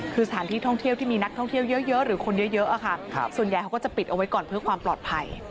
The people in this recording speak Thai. คือสถานที่ท่องเที่ยวที่มีนักท่องเที่ยวเยอะหรือคนเยอะค่ะส่วนใหญ่เขาก็จะปิดเอาไว้ก่อนเพื่อความปลอดภัย